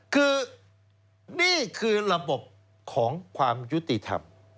คือนี่คือระบบของความยุติธรรม